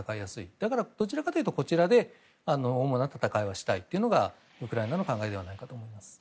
だからどちらかといえばこちらで主な戦いをしたいというのがウクライナの考えではないかと思います。